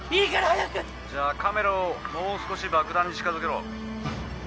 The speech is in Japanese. じゃあカメラをもう少し爆弾に近づけろ。